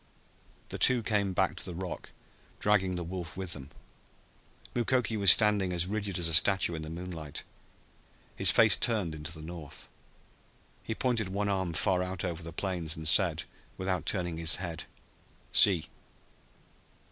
The two came back to the rock, dragging the wolf with them. Mukoki was standing as rigid as a statue in the moonlight, his face turned into the north. He pointed one arm far out over the plains, and said, without turning his head, "See!"